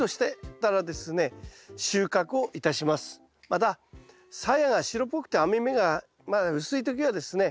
またさやが白っぽくて網目がまだ薄い時はですね